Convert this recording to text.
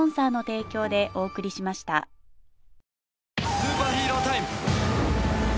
スーパーヒーロータイム。